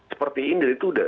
seperti ini itu udah